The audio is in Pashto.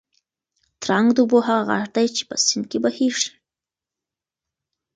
ترنګ د اوبو هغه غږ دی چې په سیند کې بهېږي.